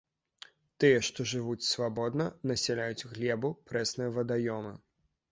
Тыя, што жывуць свабодна, насяляюць глебу, прэсныя вадаёмы.